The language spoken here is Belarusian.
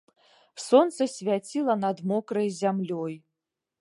Сонца свяціла над мокрай зямлёй.